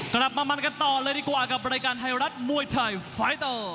กลับมามันกันต่อเลยดีกว่ากับรายการไทยรัฐมวยไทยไฟเตอร์